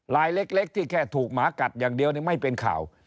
ลายเล็กที่แค่ถูกหมากัดอย่างเดียวไม่เป็นข่าว